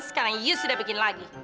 sekarang yes sudah bikin lagi